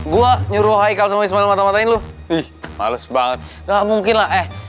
gua nyuruh hai kalau sama ismail mata matain lu ih males banget nggak mungkin lah eh